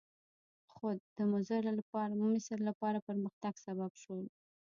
خو د مصر لپاره د پرمختګ سبب شول.